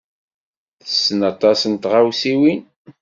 Tessen aṭas n tɣawsiwin.